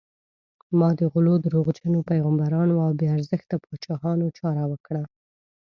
ما د غلو، دروغجنو پیغمبرانو او بې ارزښته پاچاهانو چاره وکړه.